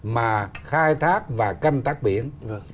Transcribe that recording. mà khai thác và canh tác biển